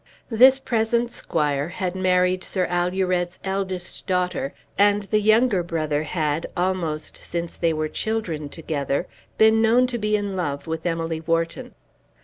This present squire had married Sir Alured's eldest daughter, and the younger brother had, almost since they were children together, been known to be in love with Emily Wharton.